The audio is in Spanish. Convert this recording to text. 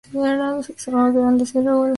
Escamas grandes y regulares.